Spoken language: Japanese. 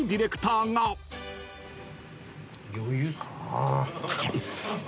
余裕っす。